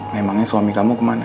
memangnya suami kamu ke mana